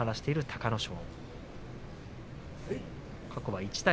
隆の勝。